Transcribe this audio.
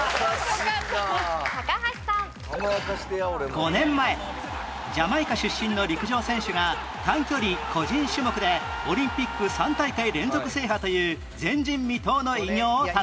５年前ジャマイカ出身の陸上選手が短距離個人種目でオリンピック３大会連続制覇という前人未到の偉業を達成